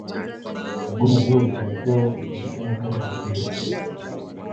Mgomo huo uliofanikiwa ulijulikana kama mbiru